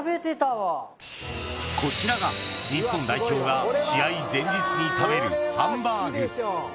こちらが日本代表が試合前日に食べるハンバーグ